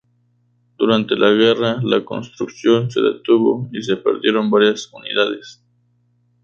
Durante la guerra la construcción se detuvo y se perdieron varias unidades.